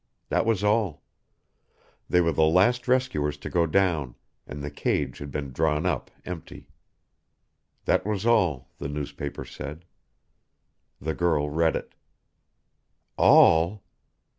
That was all. They were the last rescuers to go down, and the cage had been drawn up empty. That was all, the newspaper said. The girl read it. All!